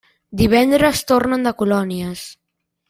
Divendres tornen de colònies.